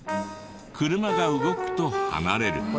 車が動くと離れる。